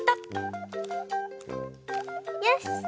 よし！